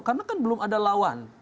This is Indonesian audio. karena kan belum ada lawan